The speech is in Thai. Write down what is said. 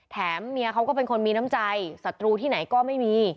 เมียเขาก็เป็นคนมีน้ำใจศัตรูที่ไหนก็ไม่มี